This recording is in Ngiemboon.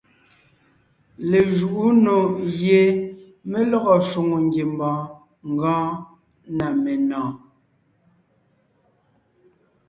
Lejuʼú nò gie mé lɔgɔ shwòŋo ngiembɔɔn gɔɔn na menɔ̀ɔn.